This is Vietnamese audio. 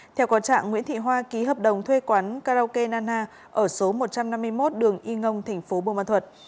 theo có trạng nguyễn thị hoa ký hợp đồng thuê quán karaoke nana ở số một trăm năm mươi một đường y ngông thành phố buôn ma thuật